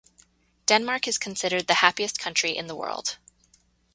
Denmark is considered the happiest country in the world.